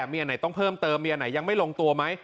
เมียไหนต้องเพิ่มเติมเมียไหนยังไม่ลงตัวไหม